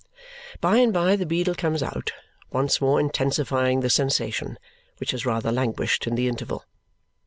By and by the beadle comes out, once more intensifying the sensation, which has rather languished in the interval.